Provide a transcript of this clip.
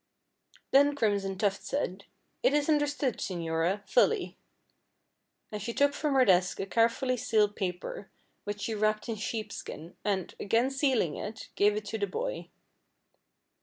Then Crimson Tuft said, "It is understood, señora, fully." And she took from her desk a carefully sealed paper, which she wrapped in sheep skin, and, again sealing it, gave it to the boy.